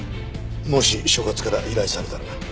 もし所轄から依頼されたらな。